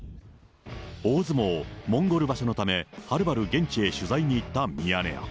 大相撲モンゴル場所のため、はるばる現地へ取材に行ったミヤネ屋。